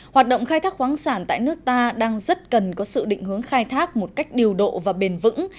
hoạt động khai thác khoáng sản tại nước ta đang rất cần có sự định hướng khai thác một cách điều độ và bền vững